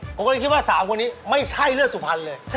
ผมก็เลยคิดว่า๓คนนี้ไม่ใช่เลือดสุพรรณเลย